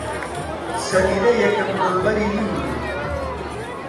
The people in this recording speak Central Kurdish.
سەمیرە یەکەم دڵبەری من بوو.